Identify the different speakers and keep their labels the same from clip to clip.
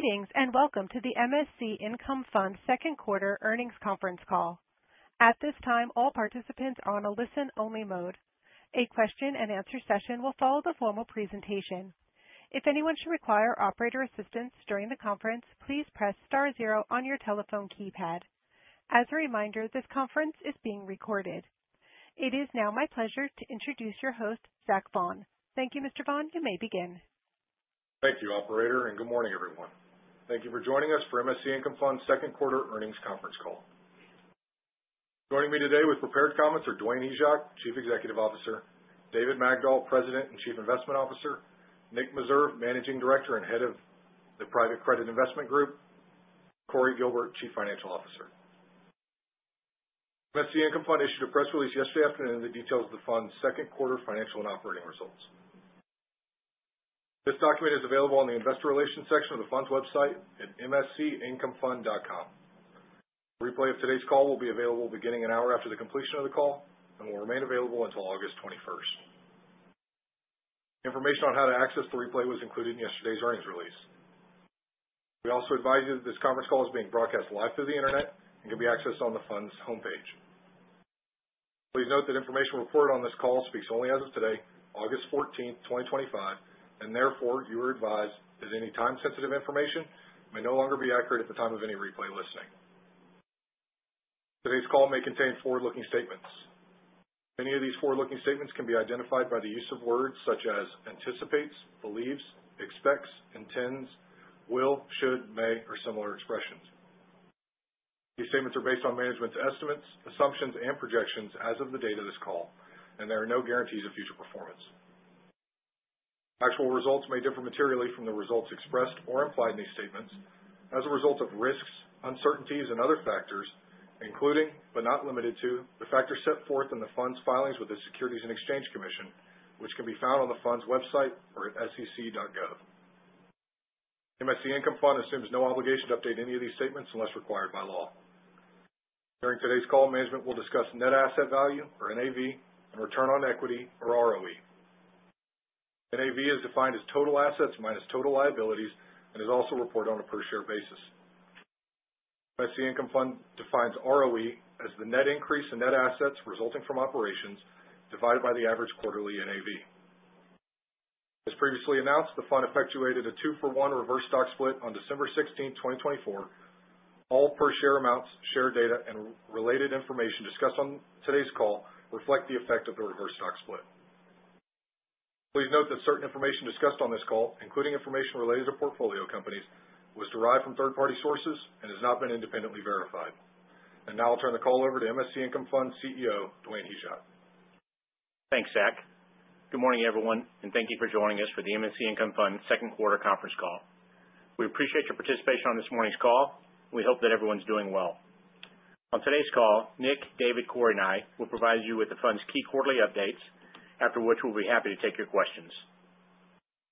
Speaker 1: Greetings, welcome to the MSC Income Fund second quarter earnings conference call. At this time, all participants are on a listen-only mode. A question and answer session will follow the formal presentation. If anyone should require operator assistance during the conference, please press star zero on your telephone keypad. As a reminder, this conference is being recorded. It is now my pleasure to introduce your host, Zach Vaughan. Thank you, Mr. Vaughan. You may begin.
Speaker 2: Thank you, operator, good morning, everyone. Thank you for joining us for MSC Income Fund's second quarter earnings conference call. Joining me today with prepared comments are Dwayne Hyzak, Chief Executive Officer, David Magdol, President and Chief Investment Officer, Nick Meserve, Managing Director and Head of the Private Credit Investment Group, Cory Gilbert, Chief Financial Officer. MSC Income Fund issued a press release yesterday afternoon that details the fund's second quarter financial and operating results. This document is available on the investor relations section of the fund's website at mscincomefund.com. A replay of today's call will be available beginning an hour after the completion of the call, and will remain available until August 21st. Information on how to access the replay was included in yesterday's earnings release. We also advise you that this conference call is being broadcast live through the internet and can be accessed on the fund's homepage. Please note that information reported on this call speaks only as of today, August 14th, 2025. Therefore, you are advised that any time-sensitive information may no longer be accurate at the time of any replay listening. Today's call may contain forward-looking statements. Many of these forward-looking statements can be identified by the use of words such as anticipates, believes, expects, intends, will, should, may, or similar expressions. These statements are based on management's estimates, assumptions, and projections as of the date of this call. There are no guarantees of future performance. Actual results may differ materially from the results expressed or implied in these statements as a result of risks, uncertainties, and other factors, including, but not limited to, the factors set forth in the fund's filings with the Securities and Exchange Commission, which can be found on the fund's website or at sec.gov. MSC Income Fund assumes no obligation to update any of these statements unless required by law. During today's call, management will discuss net asset value, or NAV, and return on equity, or ROE. NAV is defined as total assets minus total liabilities and is also reported on a per share basis. MSC Income Fund defines ROE as the net increase in net assets resulting from operations divided by the average quarterly NAV. As previously announced, the fund effectuated a two-for-one reverse stock split on December 16th, 2024. All per share amounts, share data, and related information discussed on today's call reflect the effect of the reverse stock split. Please note that certain information discussed on this call, including information related to portfolio companies, was derived from third-party sources and has not been independently verified. Now I'll turn the call over to MSC Income Fund CEO, Dwayne Hyzak.
Speaker 3: Thanks, Zach. Good morning, everyone. Thank you for joining us for the MSC Income Fund second quarter conference call. We appreciate your participation on this morning's call. We hope that everyone's doing well. On today's call, Nick, David, Cory, and I will provide you with the fund's key quarterly updates, after which we'll be happy to take your questions.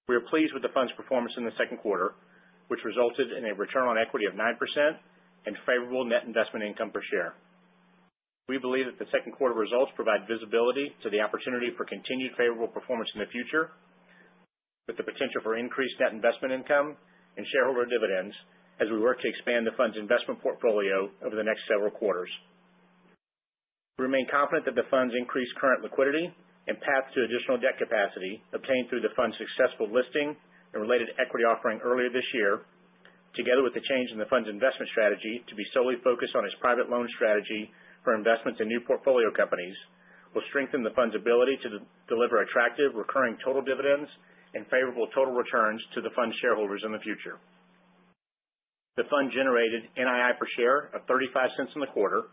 Speaker 3: We are pleased with the fund's performance in the second quarter, which resulted in a return on equity of 9% and favorable net investment income per share. We believe that the second quarter results provide visibility to the opportunity for continued favorable performance in the future with the potential for increased net investment income and shareholder dividends as we work to expand the fund's investment portfolio over the next several quarters. We remain confident that the fund's increased current liquidity and path to additional debt capacity obtained through the fund's successful listing and related equity offering earlier this year, together with the change in the fund's investment strategy to be solely focused on its private loan strategy for investments in new portfolio companies, will strengthen the fund's ability to deliver attractive recurring total dividends and favorable total returns to the fund shareholders in the future. The fund generated NII per share of $0.35 in the quarter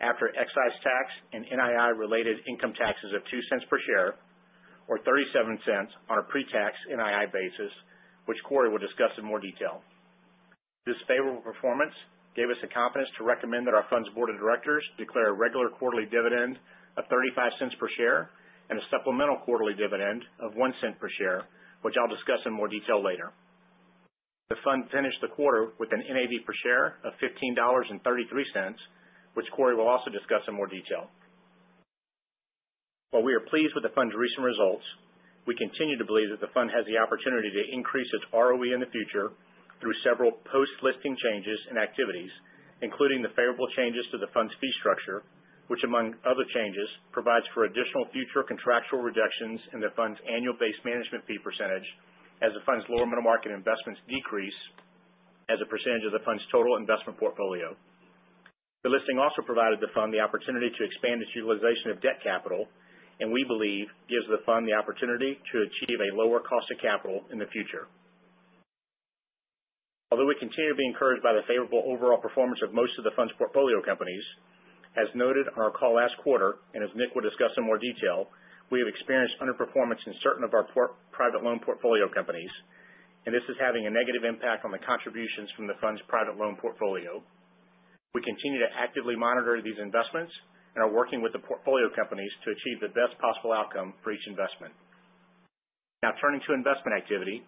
Speaker 3: after excise tax and NII-related income taxes of $0.02 per share, or $0.37 on a pre-tax NII basis, which Cory will discuss in more detail. This favorable performance gave us the confidence to recommend that our fund's board of directors declare a regular quarterly dividend of $0.35 per share and a supplemental quarterly dividend of $0.01 per share, which I'll discuss in more detail later. The fund finished the quarter with an NAV per share of $15.33, which Cory will also discuss in more detail. While we are pleased with the fund's recent results, we continue to believe that the fund has the opportunity to increase its ROE in the future through several post-listing changes and activities, including the favorable changes to the fund's fee structure, which, among other changes, provides for additional future contractual reductions in the fund's annual base management fee percentage as the fund's lower middle market investments decrease as a percentage of the fund's total investment portfolio. The listing also provided the fund the opportunity to expand its utilization of debt capital, and we believe gives the fund the opportunity to achieve a lower cost of capital in the future. Although we continue to be encouraged by the favorable overall performance of most of the fund's portfolio companies, as noted on our call last quarter, and as Nick will discuss in more detail, we have experienced underperformance in certain of our private loan portfolio companies, and this is having a negative impact on the contributions from the fund's private loan portfolio. We continue to actively monitor these investments and are working with the portfolio companies to achieve the best possible outcome for each investment. Now turning to investment activity.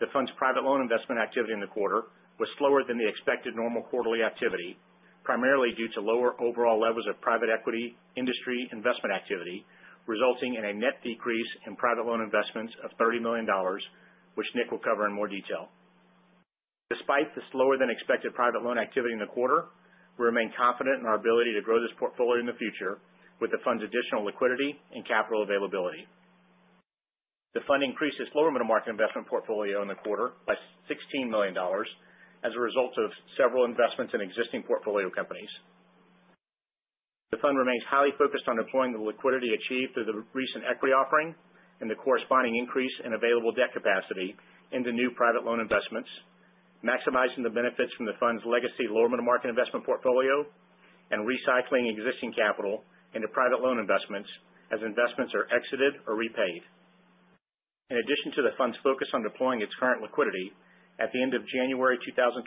Speaker 3: The fund's private loan investment activity in the quarter was slower than the expected normal quarterly activity. Primarily due to lower overall levels of private equity industry investment activity, resulting in a net decrease in private loan investments of $30 million, which Nick will cover in more detail. Despite the slower than expected private loan activity in the quarter, we remain confident in our ability to grow this portfolio in the future with the fund's additional liquidity and capital availability. The fund increased its lower middle market investment portfolio in the quarter by $16 million as a result of several investments in existing portfolio companies. The fund remains highly focused on deploying the liquidity achieved through the recent equity offering and the corresponding increase in available debt capacity into new private loan investments, maximizing the benefits from the fund's legacy lower middle market investment portfolio, and recycling existing capital into private loan investments as investments are exited or repaid. In addition to the fund's focus on deploying its current liquidity, at the end of January 2026,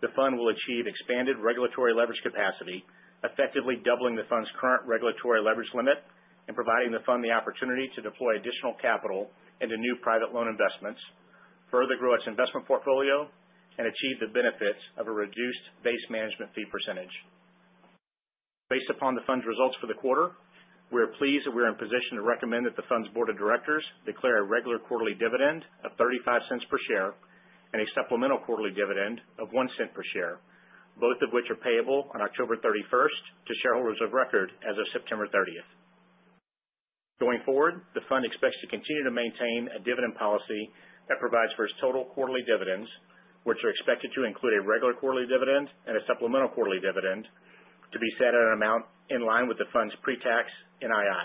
Speaker 3: the fund will achieve expanded regulatory leverage capacity, effectively doubling the fund's current regulatory leverage limit and providing the fund the opportunity to deploy additional capital into new private loan investments, further grow its investment portfolio, and achieve the benefits of a reduced base management fee percentage. Based upon the fund's results for the quarter, we are pleased that we are in position to recommend that the fund's board of directors declare a regular quarterly dividend of $0.35 per share and a supplemental quarterly dividend of $0.01 per share, both of which are payable on October 31st to shareholders of record as of September 30th. Going forward, the fund expects to continue to maintain a dividend policy that provides for its total quarterly dividends, which are expected to include a regular quarterly dividend and a supplemental quarterly dividend to be set at an amount in line with the fund's pre-tax NII.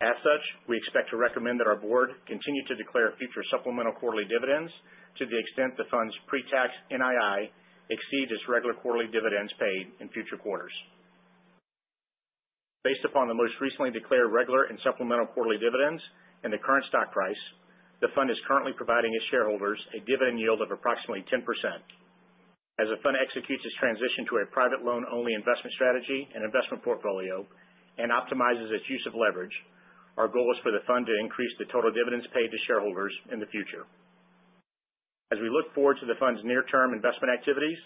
Speaker 3: As such, we expect to recommend that our board continue to declare future supplemental quarterly dividends to the extent the fund's pre-tax NII exceeds its regular quarterly dividends paid in future quarters. Based upon the most recently declared regular and supplemental quarterly dividends and the current stock price, the fund is currently providing its shareholders a dividend yield of approximately 10%. As the fund executes its transition to a private loan-only investment strategy and investment portfolio and optimizes its use of leverage, our goal is for the fund to increase the total dividends paid to shareholders in the future. As we look forward to the fund's near-term investment activities,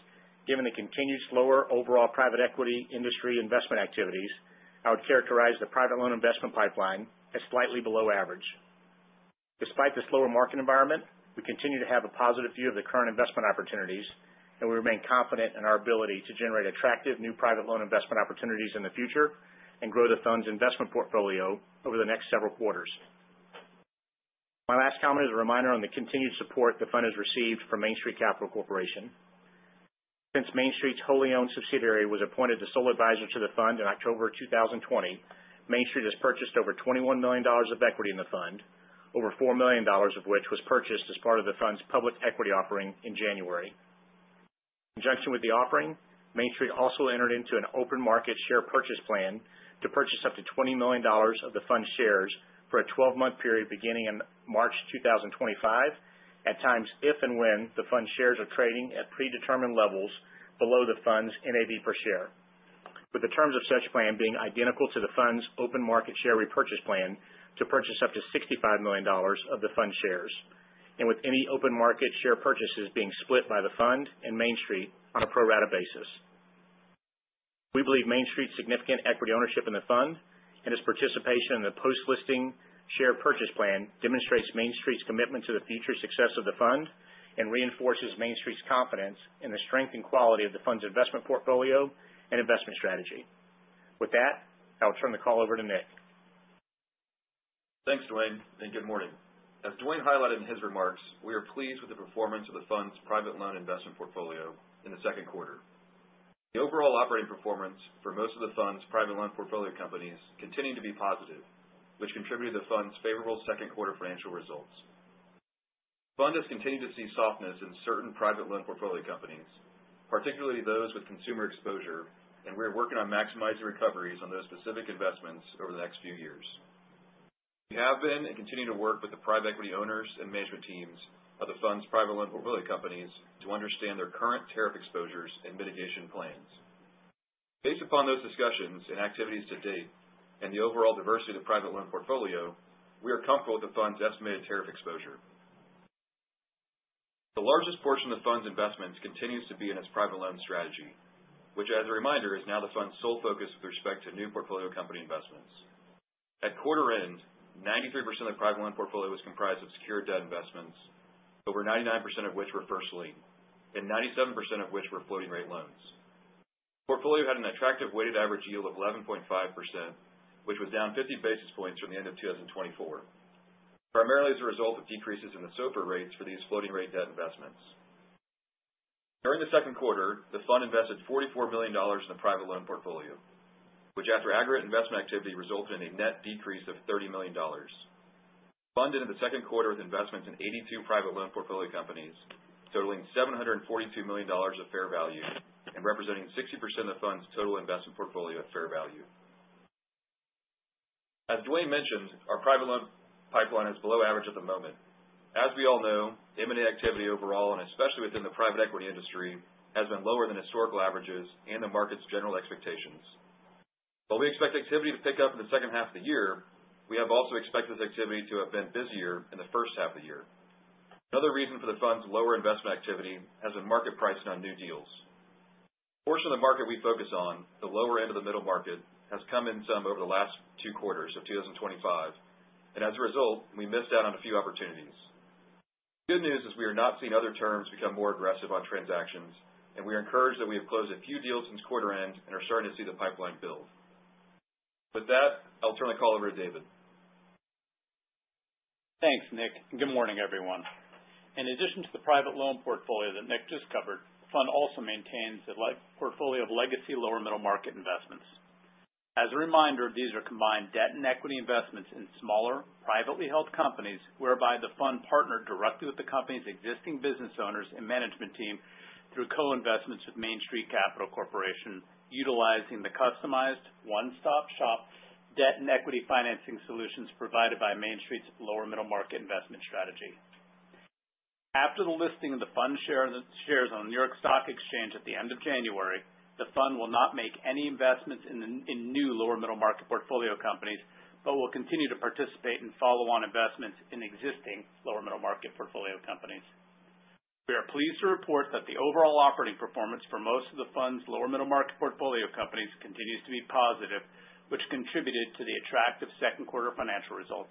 Speaker 3: given the continued slower overall private equity industry investment activities, I would characterize the private loan investment pipeline as slightly below average. Despite the slower market environment, we continue to have a positive view of the current investment opportunities, and we remain confident in our ability to generate attractive new private loan investment opportunities in the future and grow the fund's investment portfolio over the next several quarters. My last comment is a reminder on the continued support the fund has received from Main Street Capital Corporation. Since Main Street's wholly owned subsidiary was appointed the sole advisor to the fund in October 2020, Main Street has purchased over $21 million of equity in the fund, over $4 million of which was purchased as part of the fund's public equity offering in January. In conjunction with the offering, Main Street also entered into an open market share purchase plan to purchase up to $20 million of the fund shares for a 12-month period beginning in March 2025. At times, if and when, the fund shares are trading at predetermined levels below the fund's NAV per share. With the terms of such plan being identical to the fund's open market share repurchase plan to purchase up to $65 million of the fund shares, and with any open market share purchases being split by the fund and Main Street on a pro rata basis. We believe Main Street's significant equity ownership in the fund and its participation in the post-listing share purchase plan demonstrates Main Street's commitment to the future success of the fund and reinforces Main Street's confidence in the strength and quality of the fund's investment portfolio and investment strategy. With that, I'll turn the call over to Nick.
Speaker 4: Thanks, Dwayne, and good morning. As Dwayne highlighted in his remarks, we are pleased with the performance of the fund's private loan investment portfolio in the second quarter. The overall operating performance for most of the fund's private loan portfolio companies continued to be positive, which contributed to the fund's favorable second quarter financial results. Fund has continued to see softness in certain private loan portfolio companies, particularly those with consumer exposure, and we are working on maximizing recoveries on those specific investments over the next few years. We have been and continue to work with the private equity owners and management teams of the fund's private loan portfolio companies to understand their current tariff exposures and mitigation plans. Based upon those discussions and activities to date and the overall diversity of the private loan portfolio, we are comfortable with the fund's estimated tariff exposure. The largest portion of the fund's investments continues to be in its private loan strategy, which, as a reminder, is now the fund's sole focus with respect to new portfolio company investments. At quarter end, 93% of the private loan portfolio was comprised of secured debt investments, over 99% of which were first lien, and 97% of which were floating rate loans. Portfolio had an attractive weighted average yield of 11.5%, which was down 50 basis points from the end of 2024, primarily as a result of decreases in the SOFR rates for these floating rate debt investments. During the second quarter, the fund invested $44 million in the private loan portfolio, which after aggregate investment activity resulted in a net decrease of $30 million. Funded in the second quarter with investments in 82 private loan portfolio companies, totaling $742 million of fair value and representing 60% of the fund's total investment portfolio at fair value. As Dwayne mentioned, our private loan pipeline is below average at the moment. As we all know, M&A activity overall, and especially within the private equity industry, has been lower than historical averages and the market's general expectations. While we expect activity to pick up in the second half of the year, we have also expected activity to have been busier in the first half of the year. Another reason for the fund's lower investment activity has been market pricing on new deals. The portion of the market we focus on, the lower end of the middle market, has come in some over the last two quarters of 2025. As a result, we missed out on a few opportunities. The good news is we are not seeing other terms become more aggressive on transactions. We are encouraged that we have closed a few deals since quarter end and are starting to see the pipeline build. With that, I'll turn the call over to David.
Speaker 5: Thanks, Nick. Good morning, everyone. In addition to the private loan portfolio that Nick just covered, the fund also maintains a portfolio of legacy lower middle market investments. As a reminder, these are combined debt and equity investments in smaller, privately held companies, whereby the fund partnered directly with the company's existing business owners and management team through co-investments with Main Street Capital Corporation, utilizing the customized one-stop shop debt and equity financing solutions provided by Main Street's lower middle market investment strategy. After the listing of the fund shares on the New York Stock Exchange at the end of January, the fund will not make any investments in new lower middle market portfolio companies, but will continue to participate in follow-on investments in existing lower middle market portfolio companies. We are pleased to report that the overall operating performance for most of the fund's lower middle market portfolio companies continues to be positive, which contributed to the attractive second quarter financial results.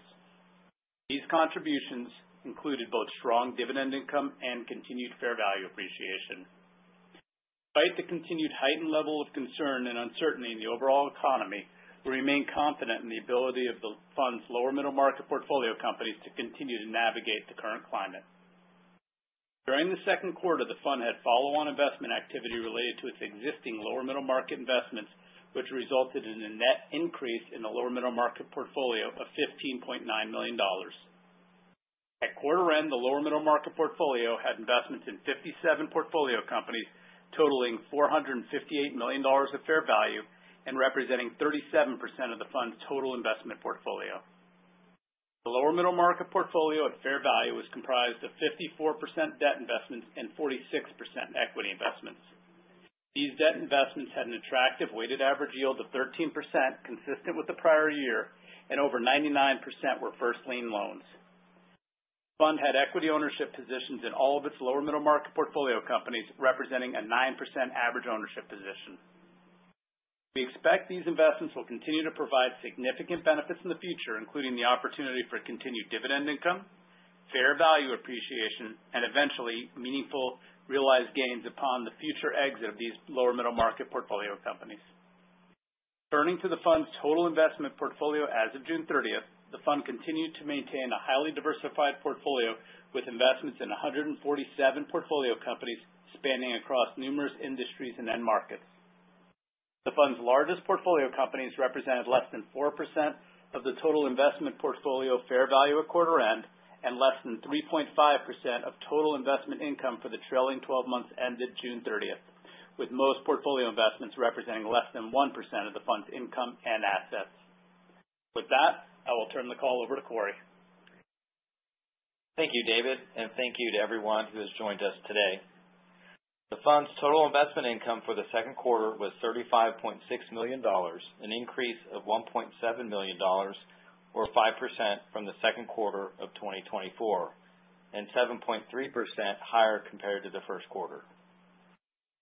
Speaker 5: These contributions included both strong dividend income and continued fair value appreciation. Despite the continued heightened level of concern and uncertainty in the overall economy, we remain confident in the ability of the fund's lower middle market portfolio companies to continue to navigate the current climate. During the second quarter, the fund had follow-on investment activity related to its existing lower middle market investments, which resulted in a net increase in the lower middle market portfolio of $15.9 million. At quarter end, the lower middle market portfolio had investments in 57 portfolio companies totaling $458 million of fair value and representing 37% of the fund's total investment portfolio. The lower middle market portfolio at fair value was comprised of 54% debt investments and 46% equity investments. These debt investments had an attractive weighted average yield of 13%, consistent with the prior year, and over 99% were first lien loans. Fund had equity ownership positions in all of its lower middle market portfolio companies, representing a 9% average ownership position. We expect these investments will continue to provide significant benefits in the future, including the opportunity for continued dividend income, fair value appreciation, and eventually meaningful realized gains upon the future exit of these lower middle market portfolio companies. Turning to the fund's total investment portfolio as of June 30th, the fund continued to maintain a highly diversified portfolio with investments in 147 portfolio companies spanning across numerous industries and end markets. The fund's largest portfolio companies represented less than 4% of the total investment portfolio fair value at quarter end, and less than 3.5% of total investment income for the trailing 12 months ended June 30th, with most portfolio investments representing less than 1% of the fund's income and assets. With that, I will turn the call over to Cory.
Speaker 6: Thank you, David, and thank you to everyone who has joined us today. The fund's total investment income for the second quarter was $35.6 million, an increase of $1.7 million, or 5%, from the second quarter of 2024, and 7.3% higher compared to the first quarter.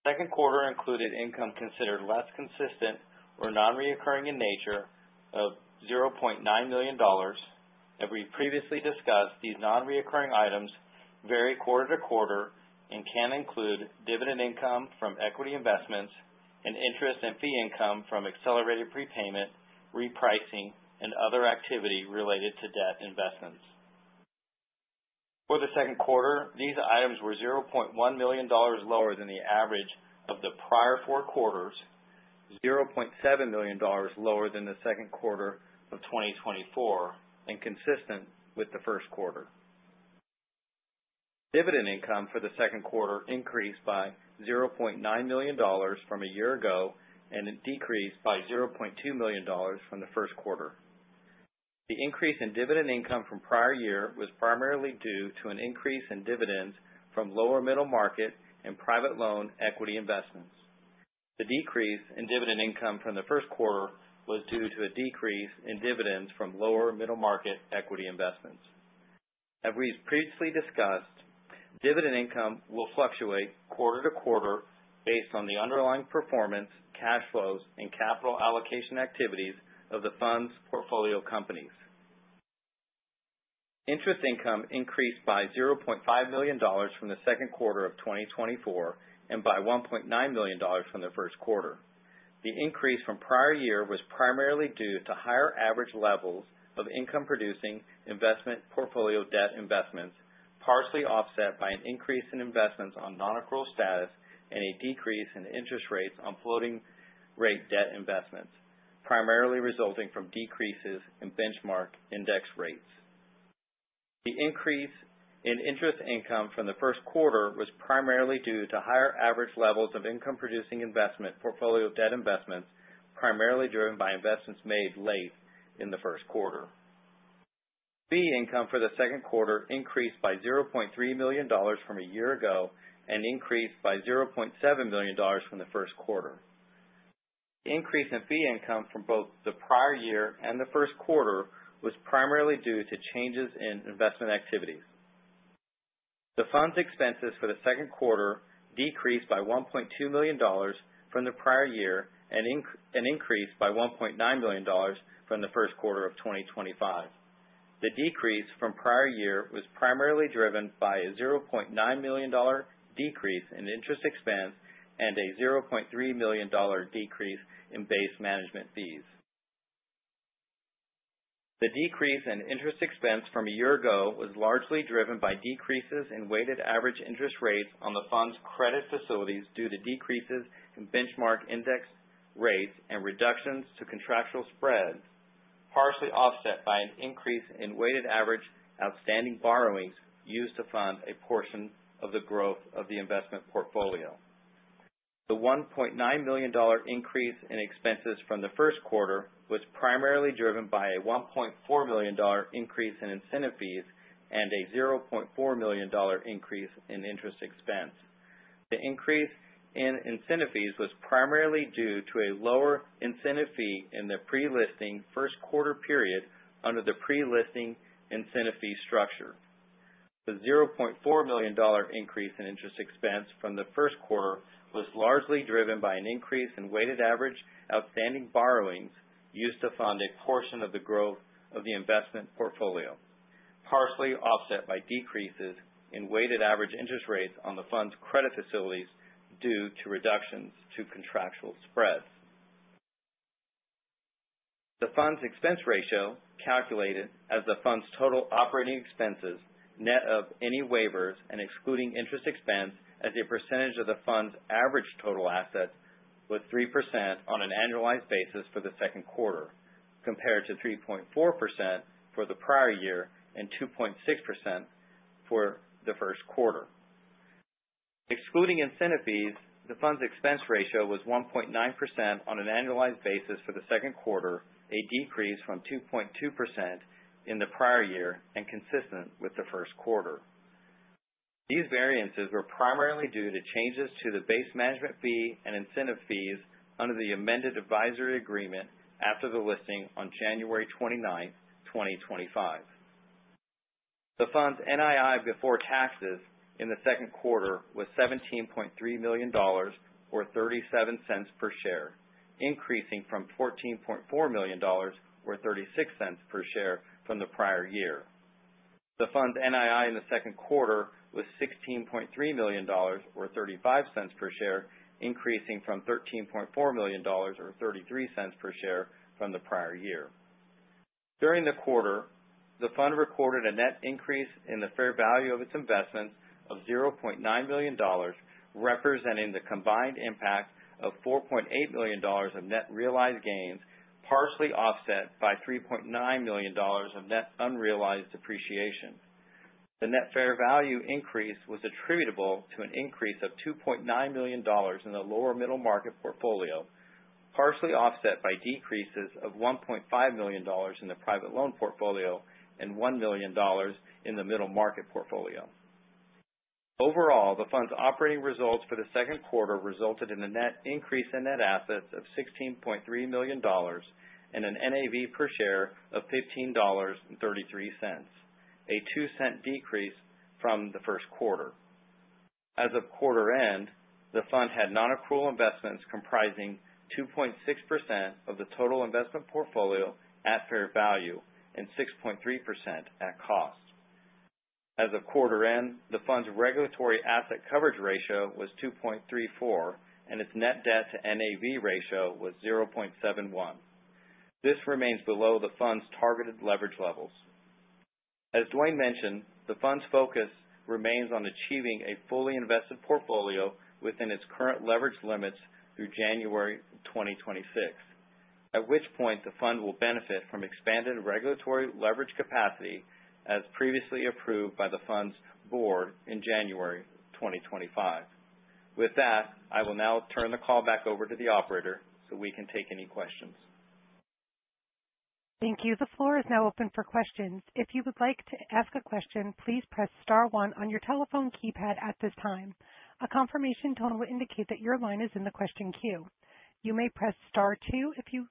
Speaker 6: Second quarter included income considered less consistent or non-reoccurring in nature of $0.9 million. As we've previously discussed, these non-reoccurring items vary quarter to quarter and can include dividend income from equity investments and interest and fee income from accelerated prepayment, repricing, and other activity related to debt investments. For the second quarter, these items were $0.1 million lower than the average of the prior four quarters, $0.7 million lower than the second quarter of 2024, and consistent with the first quarter. Dividend income for the second quarter increased by $0.9 million from a year ago and it decreased by $0.2 million from the first quarter. The increase in dividend income from prior year was primarily due to an increase in dividends from lower middle market and private loan equity investments. The decrease in dividend income from the first quarter was due to a decrease in dividends from lower middle market equity investments. As we've previously discussed, dividend income will fluctuate quarter-to-quarter based on the underlying performance, cash flows, and capital allocation activities of the fund's portfolio companies. Interest income increased by $0.5 million from the second quarter of 2024 and by $1.9 million from the first quarter. The increase from prior year was primarily due to higher average levels of income producing investment portfolio debt investments, partially offset by an increase in investments on non-accrual status and a decrease in interest rates on floating rate debt investments, primarily resulting from decreases in benchmark index rates. The increase in interest income from the first quarter was primarily due to higher average levels of income producing investment portfolio debt investments, primarily driven by investments made late in the first quarter. Fee income for the second quarter increased by $0.3 million from a year ago and increased by $0.7 million from the first quarter. Increase in fee income from both the prior year and the first quarter was primarily due to changes in investment activities. The fund's expenses for the second quarter decreased by $1.2 million from the prior year and increased by $1.9 million from the first quarter of 2025. The decrease from prior year was primarily driven by a $0.9 million decrease in interest expense and a $0.3 million decrease in base management fees. The decrease in interest expense from a year ago was largely driven by decreases in weighted average interest rates on the fund's credit facilities due to decreases in benchmark index rates and reductions to contractual spreads, partially offset by an increase in weighted average outstanding borrowings used to fund a portion of the growth of the investment portfolio. The $1.9 million increase in expenses from the first quarter was primarily driven by a $1.4 million increase in incentive fees and a $0.4 million increase in interest expense. The increase in incentive fees was primarily due to a lower incentive fee in the pre-listing first quarter period under the pre-listing incentive fee structure. The $0.4 million increase in interest expense from the first quarter was largely driven by an increase in weighted average outstanding borrowings used to fund a portion of the growth of the investment portfolio, partially offset by decreases in weighted average interest rates on the fund's credit facilities due to reductions to contractual spreads. The fund's expense ratio, calculated as the fund's total operating expenses, net of any waivers and excluding interest expense as a percentage of the fund's average total assets, was 3% on an annualized basis for the second quarter, compared to 3.4% for the prior year and 2.6% for the first quarter. Excluding incentive fees, the fund's expense ratio was 1.9% on an annualized basis for the second quarter, a decrease from 2.2% in the prior year and consistent with the first quarter. These variances were primarily due to changes to the base management fee and incentive fees under the amended advisory agreement after the listing on January 29th, 2025. The fund's NII before taxes in the second quarter was $17.3 million, or $0.37 per share, increasing from $14.4 million, or $0.36 per share from the prior year. The fund's NII in the second quarter was $16.3 million, or $0.35 per share, increasing from $13.4 million, or $0.33 per share from the prior year. During the quarter, the fund recorded a net increase in the fair value of its investments of $0.9 million, representing the combined impact of $4.8 million of net realized gains, partially offset by $3.9 million of net unrealized depreciation. The net fair value increase was attributable to an increase of $2.9 million in the lower middle market portfolio, partially offset by decreases of $1.5 million in the private loan portfolio and $1 million in the middle market portfolio. Overall, the fund's operating results for the second quarter resulted in a net increase in net assets of $16.3 million and an NAV per share of $15.33, a $0.02 decrease from the first quarter. As of quarter end, the fund had non-accrual investments comprising 2.6% of the total investment portfolio at fair value and 6.3% at cost. As of quarter end, the fund's regulatory asset coverage ratio was 2.34, and its net debt to NAV ratio was 0.71. This remains below the fund's targeted leverage levels. As Dwayne mentioned, the fund's focus remains on achieving a fully invested portfolio within its current leverage limits through January 2026, at which point the fund will benefit from expanded regulatory leverage capacity as previously approved by the fund's board in January 2025. With that, I will now turn the call back over to the operator so we can take any questions.
Speaker 1: Thank you. The floor is now open for questions. If you would like to ask a question, please press star one on your telephone keypad at this time. A confirmation tone will indicate that your line is in the question queue. You may press star two if you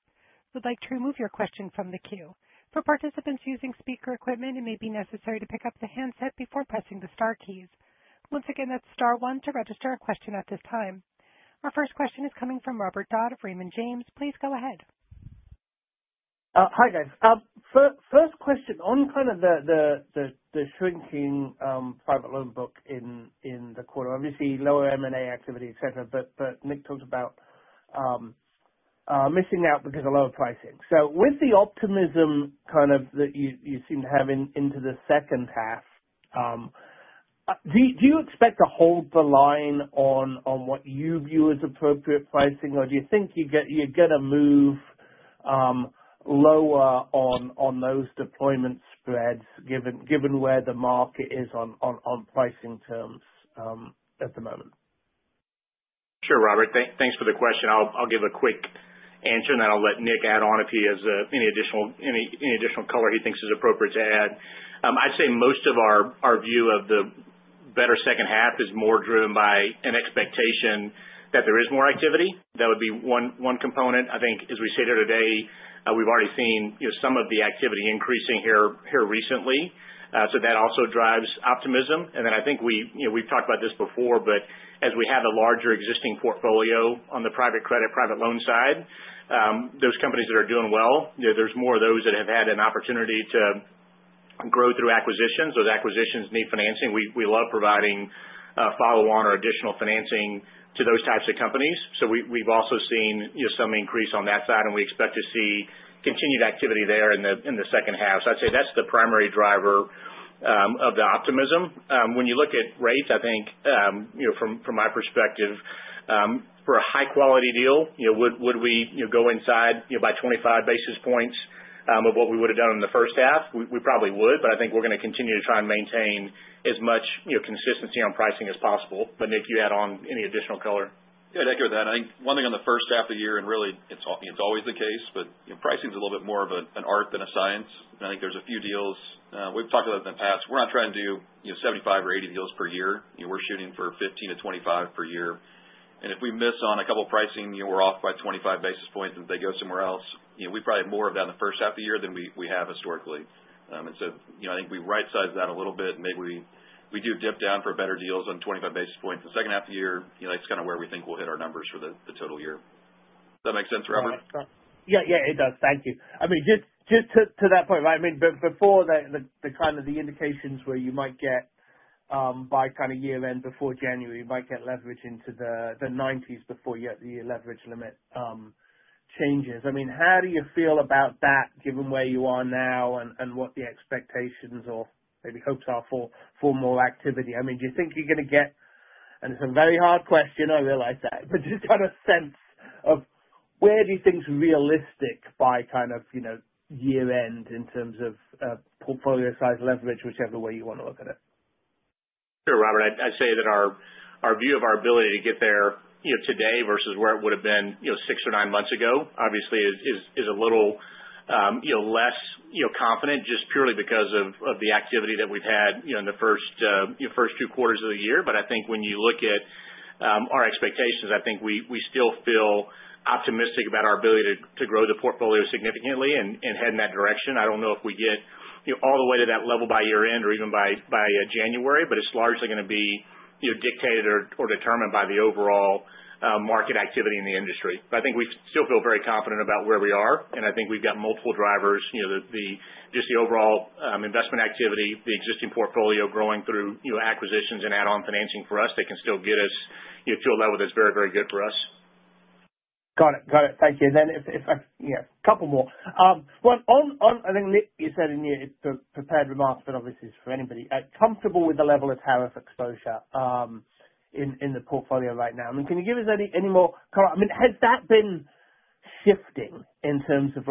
Speaker 1: would like to remove your question from the queue. For participants using speaker equipment, it may be necessary to pick up the handset before pressing the star keys. Once again, that's star one to register a question at this time. Our first question is coming from Robert Dodd of Raymond James. Please go ahead.
Speaker 7: Hi, guys. First question on the shrinking private loan book in the quarter. Obviously, lower M&A activity, et cetera, but Nick talked about missing out because of lower pricing. With the optimism that you seem to have into the second half, do you expect to hold the line on what you view as appropriate pricing, or do you think you're going to move lower on those deployment spreads given where the market is on pricing terms at the moment?
Speaker 3: Sure, Robert. Thanks for the question. I'll give a quick answer, and then I'll let Nick add on if he has any additional color he thinks is appropriate to add. I'd say most of our view of the better second half is more driven by an expectation that there is more activity. That would be one component. I think as we sit here today, we've already seen some of the activity increasing here recently. That also drives optimism. I think we've talked about this before, but as we have a larger existing portfolio on the private credit, private loan side, those companies that are doing well, there's more of those that have had an opportunity to grow through acquisitions. Those acquisitions need financing. We love providing follow-on or additional financing to those types of companies. We've also seen some increase on that side, and we expect to see continued activity there in the second half. I'd say that's the primary driver of the optimism. When you look at rates, I think, from my perspective, for a high-quality deal, would we go inside by 25 basis points of what we would've done in the first half? We probably would. I think we're going to continue to try and maintain as much consistency on pricing as possible. Nick, you add on any additional color.
Speaker 4: Yeah, I'd echo that. I think one thing on the first half of the year, and really it's always the case, but pricing is a little bit more of an art than a science. I think there's a few deals, we've talked about it in the past. We're not trying to do 75 or 80 deals per year. We're shooting for 15 to 25 per year. If we miss on a couple pricing, we're off by 25 basis points and they go somewhere else. We probably have more of that in the first half of the year than we have historically. I think we right-sized that a little bit, and maybe we do dip down for better deals on 25 basis points the second half of the year. That's kind of where we think we'll hit our numbers for the total year. Does that make sense, Robert?
Speaker 7: Yeah. It does. Thank you. Just to that point, right, before the kind of the indications where you might get by kind of year end, before January, you might get leverage into the 90s before you hit the leverage limit changes. How do you feel about that, given where you are now and what the expectations or maybe hopes are for more activity? Do you think you're going to get It's a very hard question, I realize that, but just kind of sense of where do you think is realistic by year end in terms of portfolio size leverage, whichever way you want to look at it?
Speaker 3: Sure, Robert. I'd say that our view of our ability to get there today versus where it would've been 6 or 9 months ago, obviously is a little less confident just purely because of the activity that we've had in the first 2 quarters of the year. I think when you look at our expectations, I think we still feel optimistic about our ability to grow the portfolio significantly and head in that direction. I don't know if we get all the way to that level by year end or even by January, but it's largely going to be dictated or determined by the overall market activity in the industry. I think we still feel very confident about where we are, and I think we've got multiple drivers. Just the overall investment activity, the existing portfolio growing through acquisitions and add-on financing for us that can still get us to a level that's very good for us.
Speaker 7: Got it. Thank you. Yeah. A couple more. One, on, I think Nick, you said in your prepared remarks, obviously it's for anybody. Comfortable with the level of tariff exposure in the portfolio right now? Can you give us any more color? Has that been shifting in terms of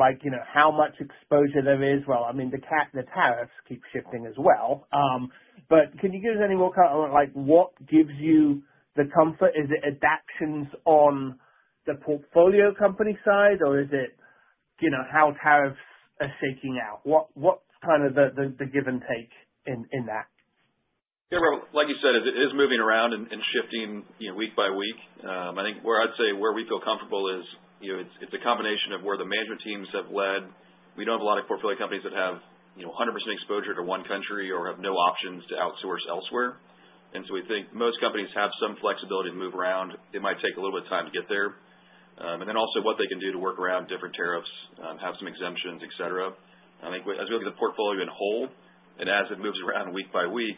Speaker 7: how much exposure there is? Well, the tariffs keep shifting as well. Can you give us any more color on what gives you the comfort? Is it adaptations on the portfolio company side, or is it how tariffs are shaking out? What's kind of the give and take in that?
Speaker 4: Yeah, Robert, like you said, it is moving around and shifting week by week. I think where I'd say where we feel comfortable is it's a combination of where the management teams have led. We don't have a lot of portfolio companies that have 100% exposure to one country or have no options to outsource elsewhere. We think most companies have some flexibility to move around. It might take a little bit of time to get there. Also what they can do to work around different tariffs, have some exemptions, et cetera. I think as we look at the portfolio in whole, and as it moves around week by week,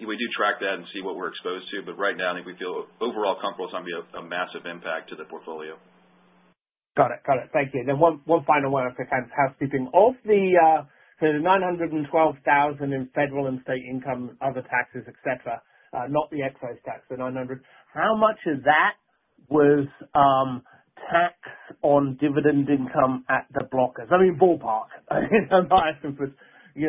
Speaker 4: we do track that and see what we're exposed to. Right now, I think we feel overall comfortable it's not going to be a massive impact to the portfolio.
Speaker 7: Got it. Thank you. One final one if I can, tariff-skipping. Of the $912,000 in federal and state income, other taxes, et cetera, not the excise tax, the $900, how much of that was taxed on dividend income at the blockers? I mean, ballpark. Is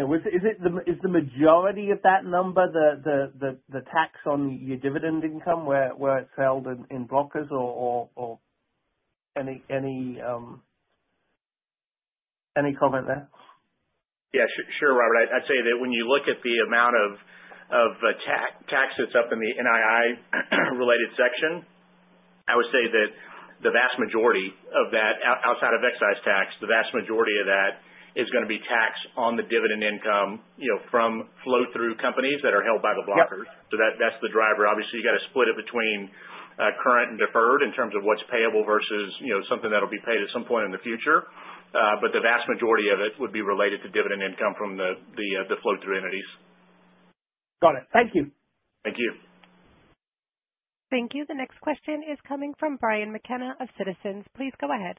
Speaker 7: the majority of that number the tax on your dividend income where it's held in blockers or any comment there?
Speaker 3: Yeah. Sure, Robert. I'd say that when you look at the amount of tax that's up in the NII related section, I would say that the vast majority of that, outside of excise tax, the vast majority of that is going to be taxed on the dividend income from flow-through companies that are held by the blockers.
Speaker 7: Yep.
Speaker 3: That's the driver. Obviously, you got to split it between current and deferred in terms of what's payable versus something that'll be paid at some point in the future. The vast majority of it would be related to dividend income from the flow-through entities.
Speaker 7: Got it. Thank you.
Speaker 3: Thank you.
Speaker 1: Thank you. The next question is coming from Brian McKenna of Citizens. Please go ahead.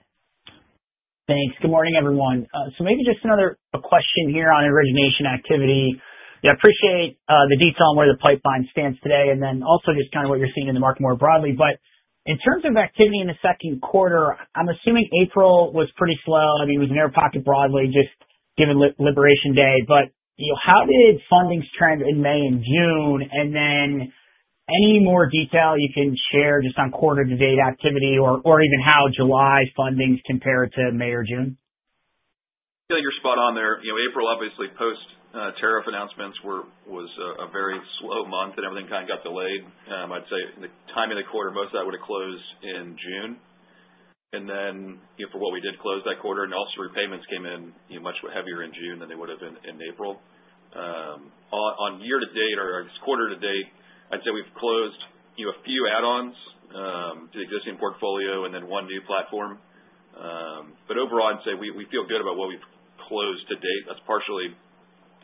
Speaker 8: Thanks. Good morning, everyone. Maybe just another question here on origination activity. Appreciate the detail on where the pipeline stands today, also just kind of what you're seeing in the market more broadly. In terms of activity in the second quarter, I'm assuming April was pretty slow. It was an air pocket broadly just given Liberation Day. How did fundings trend in May and June? Any more detail you can share just on quarter-to-date activity or even how July fundings compared to May or June?
Speaker 4: I feel like you're spot on there. April, obviously post-tariff announcements was a very slow month, everything kind of got delayed. I'd say the timing of the quarter, most of that would've closed in June. For what we did close that quarter, also repayments came in much heavier in June than they would've in April. On year to date or quarter to date, I'd say we've closed a few add-ons to the existing portfolio and then one new platform. Overall, I'd say we feel good about what we've closed to date. That's partially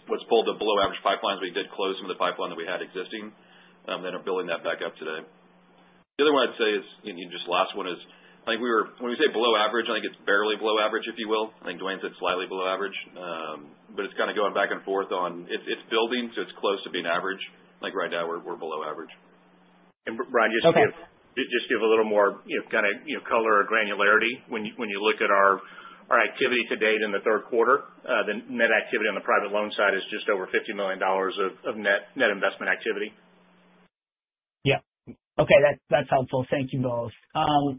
Speaker 4: what's pulled the below average pipelines. We did close some of the pipeline that we had existing and are building that back up today. The other one I'd say is, and just last one is, when we say below average, I think it's barely below average, if you will. I think Dwayne said slightly below average. It's kind of going back and forth on it's building, it's close to being average. Right now we're below average.
Speaker 3: Brian,
Speaker 8: Okay
Speaker 3: just to give a little more kind of color or granularity. When you look at our activity to date in the third quarter, the net activity on the private loan side is just over $50 million of net investment activity.
Speaker 8: Yeah. Okay. That's helpful. Thank you both.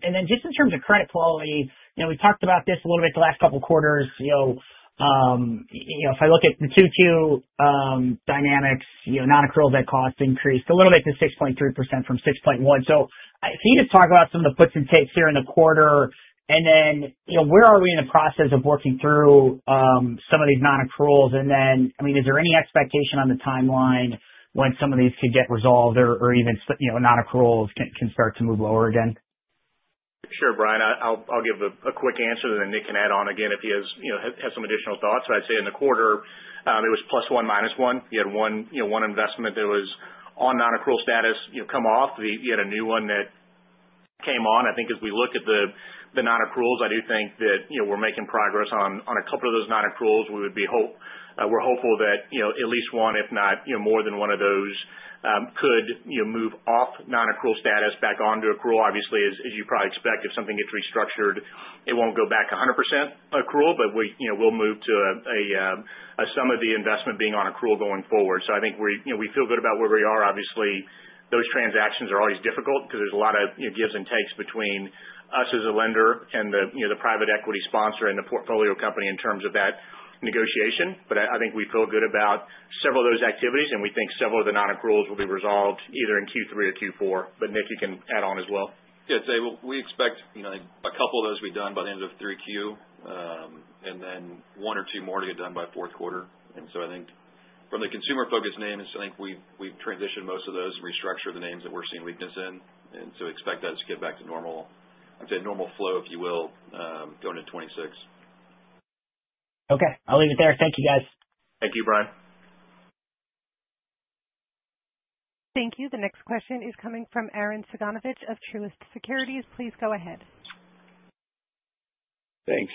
Speaker 8: Then just in terms of credit quality, we talked about this a little bit the last couple of quarters. If I look at the two-two dynamics, non-accruals net cost increased a little bit to 6.3% from 6.1%. If you could just talk about some of the puts and takes here in the quarter, where are we in the process of working through some of these non-accruals? Is there any expectation on the timeline when some of these could get resolved or even non-accruals can start to move lower again?
Speaker 3: Sure. Brian, I'll give a quick answer, then Nick can add on again if he has some additional thoughts. I'd say in the quarter, it was plus one minus one. You had one investment that was on non-accrual status come off. You had a new one that came on. I think as we look at the non-accruals, I do think that we're making progress on a couple of those non-accruals. We're hopeful that at least one, if not more than one of those could move off non-accrual status back onto accrual. Obviously, as you probably expect, if something gets restructured, it won't go back 100% accrual, but we'll move to a sum of the investment being on accrual going forward. I think we feel good about where we are. Obviously, those transactions are always difficult because there's a lot of gives and takes between us as a lender and the private equity sponsor and the portfolio company in terms of that negotiation. I think we feel good about several of those activities, and we think several of the non-accruals will be resolved either in Q3 or Q4. Nick, you can add on as well.
Speaker 4: Yeah. I'd say we expect a couple of those to be done by the end of 3Q, then one or two more to get done by fourth quarter. I think from the consumer-focused names, I think we've transitioned most of those and restructured the names that we're seeing weakness in. Expect that to get back to normal flow, if you will, going into 2026.
Speaker 8: Okay. I'll leave it there. Thank you, guys.
Speaker 3: Thank you, Brian.
Speaker 1: Thank you. The next question is coming from Arren Cyganovich of Truist Securities. Please go ahead.
Speaker 9: Thanks.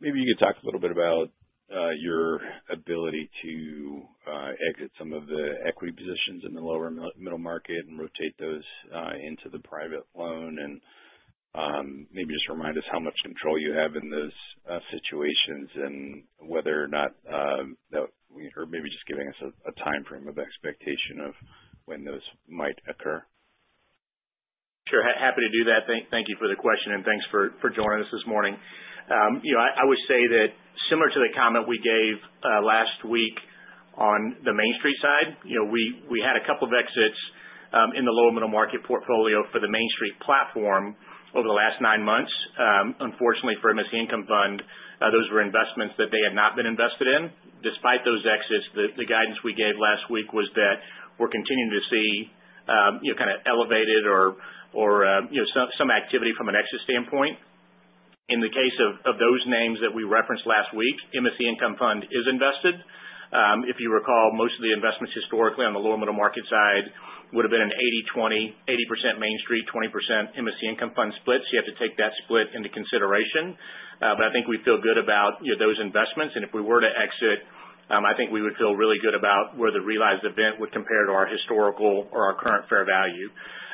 Speaker 9: Maybe you could talk a little bit about your ability to exit some of the equity positions in the lower middle market and rotate those into the private loan, and maybe just remind us how much control you have in those situations and maybe just giving us a timeframe of expectation of when those might occur.
Speaker 3: Sure. Happy to do that. Thank you for the question and thanks for joining us this morning. I would say that similar to the comment we gave last week on the Main Street side. We had a couple of exits in the lower middle market portfolio for the Main Street platform over the last nine months. Unfortunately, for MSC Income Fund, those were investments that they had not been invested in. Despite those exits, the guidance we gave last week was that we're continuing to see kind of elevated or some activity from an exit standpoint. In the case of those names that we referenced last week, MSC Income Fund is invested. If you recall, most of the investments historically on the lower middle market side would've been an 80/20, 80% Main Street, 20% MSC Income Fund split. You have to take that split into consideration. I think we feel good about those investments, and if we were to exit, I think we would feel really good about where the realized event would compare to our historical or our current fair value.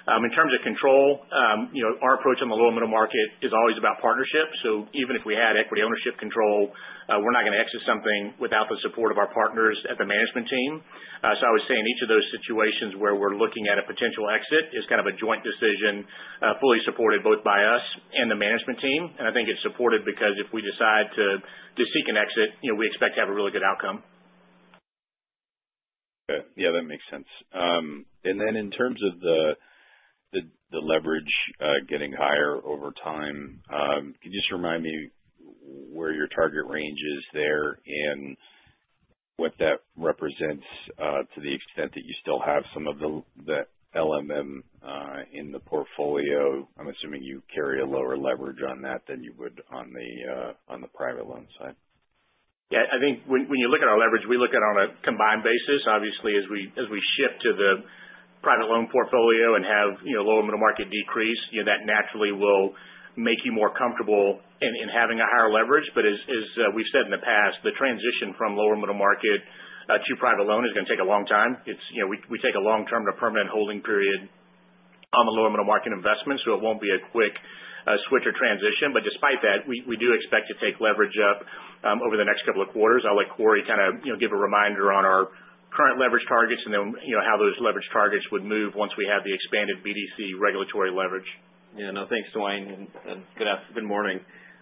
Speaker 3: In terms of control, our approach on the lower middle market is always about partnership. Even if we had equity ownership control, we're not going to exit something without the support of our partners at the management team. I think it's supported because if we decide to seek an exit, we expect to have a really good outcome.
Speaker 9: Okay. Yeah, that makes sense. In terms of the leverage getting higher over time, could you just remind me where your target range is there and what that represents to the extent that you still have some of the LMM in the portfolio? I'm assuming you carry a lower leverage on that than you would on the private loan side.
Speaker 3: Yeah. I think when you look at our leverage, we look at it on a combined basis. Obviously, as we shift to the private loan portfolio and have lower middle market decrease, that naturally will make you more comfortable in having a higher leverage. As we've said in the past, the transition from lower middle market to private loan is going to take a long time. We take a long-term to permanent holding period on the lower middle market investments. It won't be a quick switch or transition. Despite that, we do expect to take leverage up over the next couple of quarters. I'll let Cory give a reminder on our current leverage targets and then how those leverage targets would move once we have the expanded BDC regulatory leverage.
Speaker 6: Yeah, no. Thanks, Dwayne, and good morning.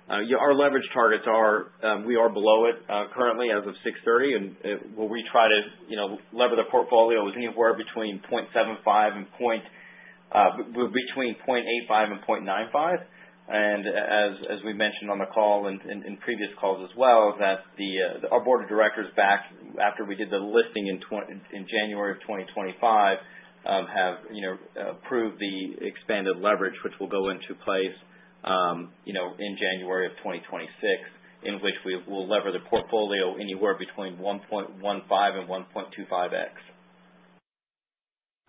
Speaker 6: Our leverage targets are, we are below it currently as of 6:30, and where we try to lever the portfolio is anywhere between 0.85 and 0.95. As we mentioned on the call and in previous calls as well, that our board of directors, after we did the listing in January of 2025, have approved the expanded leverage, which will go into place in January of 2026, in which we will lever the portfolio anywhere between 1.15 and 1.25x.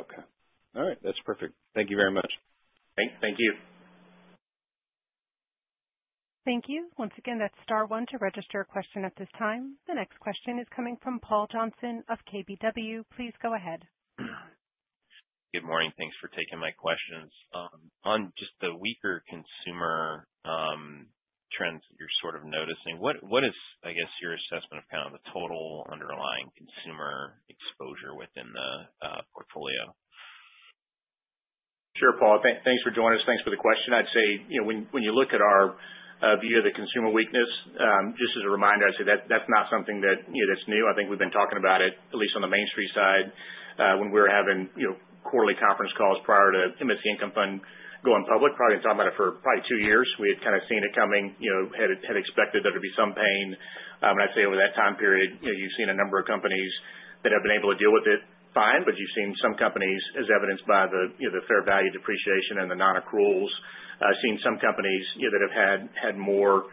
Speaker 9: Okay. All right. That's perfect. Thank you very much.
Speaker 6: Thank you.
Speaker 1: Thank you. Once again, that's star one to register a question at this time. The next question is coming from Paul Johnson of KBW. Please go ahead.
Speaker 10: Good morning. Thanks for taking my questions. Just the weaker consumer trends that you're sort of noticing, what is, I guess, your assessment of kind of the total underlying consumer exposure within the portfolio?
Speaker 3: Sure, Paul. Thanks for joining us. Thanks for the question. I'd say, when you look at our view of the consumer weakness, just as a reminder, I'd say that's not something that's new. I think we've been talking about it, at least on the Main Street Capital side, when we were having quarterly conference calls prior to MSC Income Fund going public. Probably been talking about it for probably two years. We had kind of seen it coming, had expected there to be some pain. I'd say over that time period, you've seen a number of companies that have been able to deal with it fine. You've seen some companies, as evidenced by the fair value depreciation and the non-accruals, seen some companies that have had more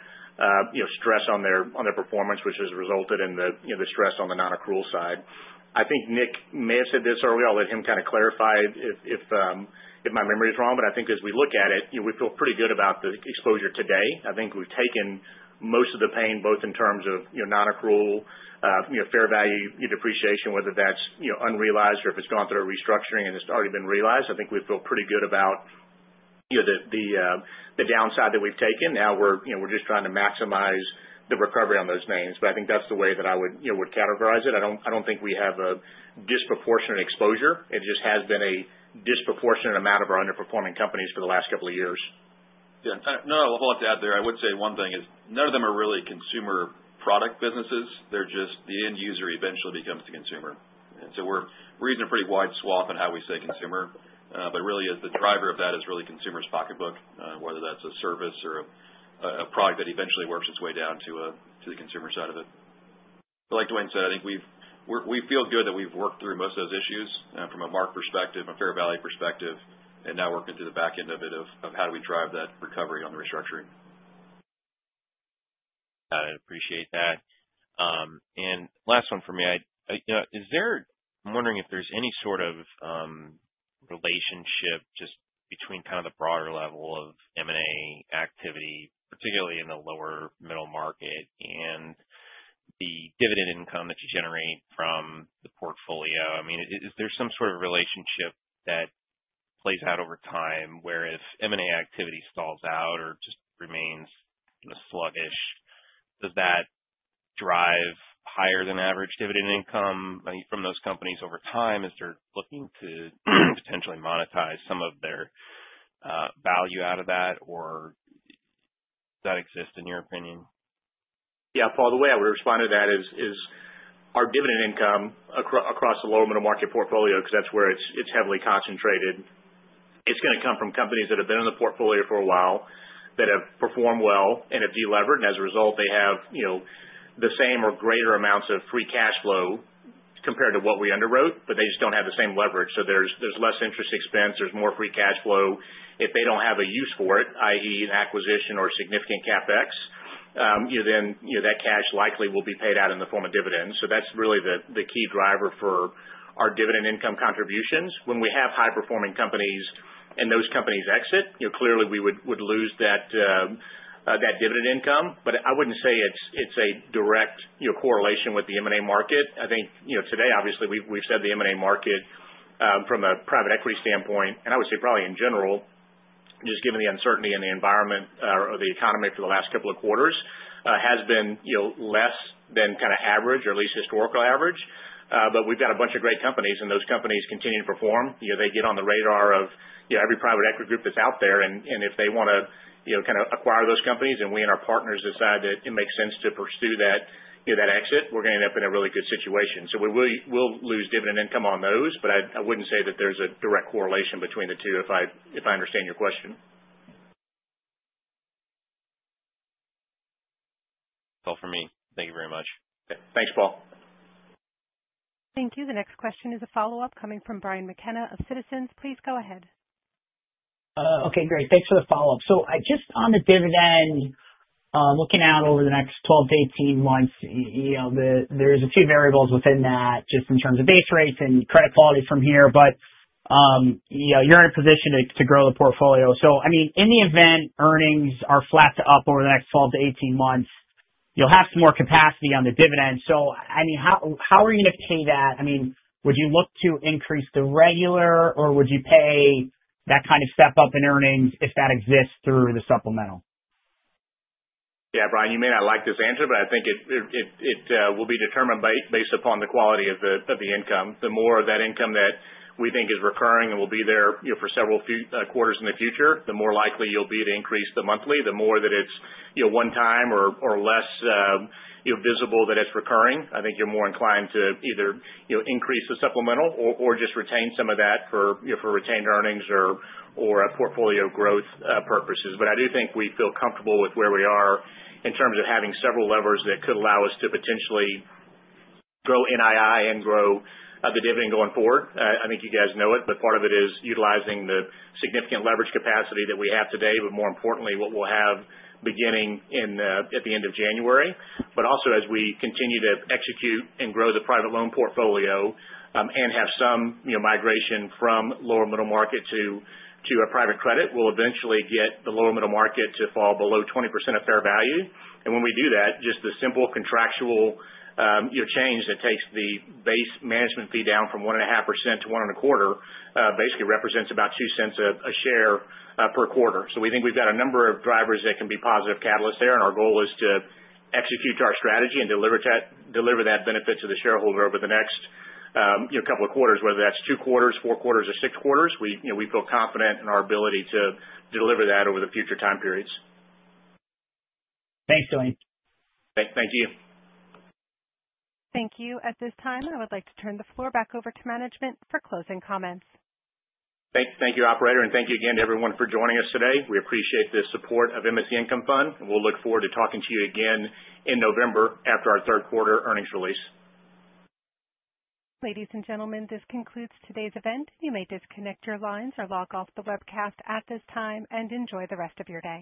Speaker 3: stress on their performance, which has resulted in the stress on the non-accrual side. I think Nick may have said this earlier. I'll let him kind of clarify if my memory is wrong. I think as we look at it, we feel pretty good about the exposure today. I think we've taken most of the pain, both in terms of non-accrual, fair value depreciation, whether that's unrealized or if it's gone through a restructuring and it's already been realized. I think we feel pretty good about the downside that we've taken. Now we're just trying to maximize the recovery on those names. I think that's the way that I would categorize it. I don't think we have a disproportionate exposure. It just has been a disproportionate amount of our underperforming companies for the last couple of years.
Speaker 4: Yeah. No, I'll add there. I would say one thing is none of them are really consumer product businesses. They're just the end user eventually becomes the consumer. So we're using a pretty wide swath on how we say consumer. Really the driver of that is really consumer's pocketbook. Whether that's a service or a product that eventually works its way down to the consumer side of it. Like Dwayne Hyzak said, I think we feel good that we've worked through most of those issues from a mark perspective, a fair value perspective, and now working through the back end of it, of how do we drive that recovery on the restructuring.
Speaker 10: Got it. Appreciate that. And last one for me. I'm wondering if there's any sort of relationship just between kind of the broader level of M&A activity, particularly in the lower middle market, and the dividend income that you generate from the portfolio. I mean, is there some sort of relationship that plays out over time where if M&A activity stalls out or just remains sluggish, does that drive higher than average dividend income from those companies over time as they're looking to potentially monetize some of their value out of that? Or does that exist in your opinion?
Speaker 3: Yeah, Paul, the way I would respond to that is our dividend income across the lower middle market portfolio, because that's where it's heavily concentrated. It's going to come from companies that have been in the portfolio for a while, that have performed well and have delevered, and as a result, they have the same or greater amounts of free cash flow compared to what we underwrote, but they just don't have the same leverage. There's less interest expense, there's more free cash flow. If they don't have a use for it, i.e. an acquisition or significant CapEx, then that cash likely will be paid out in the form of dividends. So that's really the key driver for our dividend income contributions. When we have high-performing companies and those companies exit, clearly we would lose that dividend income. I wouldn't say it's a direct correlation with the M&A market. I think today, obviously, we've said the M&A market from a private equity standpoint, and I would say probably in general, just given the uncertainty in the environment or the economy for the last couple of quarters, has been less than kind of average or at least historical average. We've got a bunch of great companies, and those companies continue to perform. They get on the radar of every private equity group that's out there, and if they want to acquire those companies and we and our partners decide that it makes sense to pursue that exit, we're going to end up in a really good situation. We'll lose dividend income on those, but I wouldn't say that there's a direct correlation between the two, if I understand your question.
Speaker 10: That's all for me. Thank you very much.
Speaker 3: Thanks, Paul.
Speaker 1: Thank you. The next question is a follow-up coming from Brian McKenna of Citizens. Please go ahead.
Speaker 8: Okay, great. Thanks for the follow-up. Just on the dividend, looking out over the next 12-18 months, there's a few variables within that just in terms of base rates and credit quality from here. You're in a position to grow the portfolio. In the event earnings are flat to up over the next 12-18 months, you'll have some more capacity on the dividend. How are you going to pay that? Would you look to increase the regular or would you pay that kind of step up in earnings if that exists through the supplemental?
Speaker 3: Yeah, Brian, you may not like this answer, I think it will be determined based upon the quality of the income. The more of that income that we think is recurring and will be there for several quarters in the future, the more likely you'll be to increase the monthly. The more that it's one time or less visible that it's recurring, I think you're more inclined to either increase the supplemental or just retain some of that for retained earnings or portfolio growth purposes. I do think we feel comfortable with where we are in terms of having several levers that could allow us to potentially grow NII and grow the dividend going forward. I think you guys know it, part of it is utilizing the significant leverage capacity that we have today, more importantly, what we'll have beginning at the end of January. Also as we continue to execute and grow the private loan portfolio and have some migration from lower middle market to a private credit, we'll eventually get the lower middle market to fall below 20% of fair value. When we do that, just the simple contractual change that takes the base management fee down from 1.5%-1.25% basically represents about $0.02 a share per quarter. We think we've got a number of drivers that can be positive catalysts there. Our goal is to execute to our strategy and deliver that benefit to the shareholder over the next couple of quarters, whether that's two quarters, four quarters, or six quarters. We feel confident in our ability to deliver that over the future time periods.
Speaker 8: Thanks, Dwayne.
Speaker 3: Thank you.
Speaker 1: Thank you. At this time, I would like to turn the floor back over to management for closing comments.
Speaker 3: Thank you, operator, and thank you again to everyone for joining us today. We appreciate the support of MSC Income Fund, and we'll look forward to talking to you again in November after our third quarter earnings release.
Speaker 1: Ladies and gentlemen, this concludes today's event. You may disconnect your lines or log off the webcast at this time, and enjoy the rest of your day.